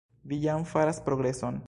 Vi jam faras progreson.